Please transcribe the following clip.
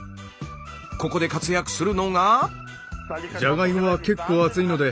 ここで活躍するのが。